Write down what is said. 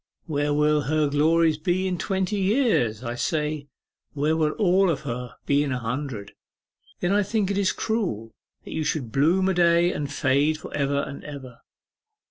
"Where will her glories be in twenty years?" I say. "Where will all of her be in a hundred?" Then I think it is cruel that you should bloom a day, and fade for ever and ever.